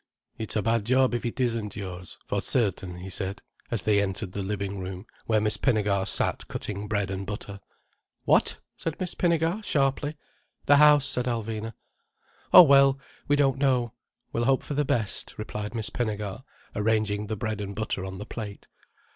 "It's a bad job it isn't yours, for certain," he said, as they entered the living room, where Miss Pinnegar sat cutting bread and butter. "What?" said Miss Pinnegar sharply. "The house," said Alvina. "Oh well, we don't know. We'll hope for the best," replied Miss Pinnegar, arranging the bread and butter on the plate.